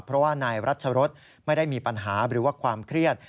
เพราะว่านายรัชรสไม่ได้มีปัญหาหรือว่าความเครียด